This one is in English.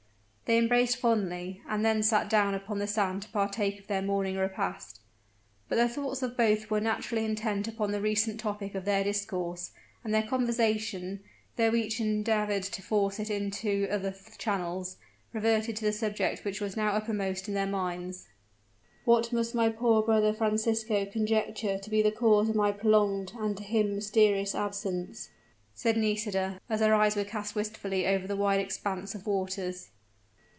They embraced fondly, and then sat down upon the sand to partake of their morning repast. But the thoughts of both were naturally intent upon the recent topic of their discourse; and their conversation, though each endeavored to force it into other channels, reverted to the subject which was now uppermost in their minds. "What must my poor brother Francisco conjecture to be the cause of my prolonged, and to him mysterious absence?" said Nisida, as her eyes were cast wistfully over the wide expanse of waters.